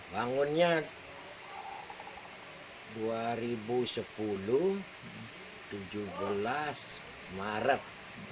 bangunnya dua ribu sepuluh tujuh belas maret